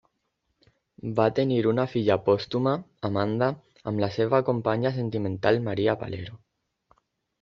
Va tenir una filla pòstuma, Amada, amb la seva companya sentimental Maria Valero.